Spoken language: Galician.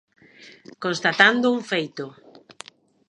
Constatando un feito.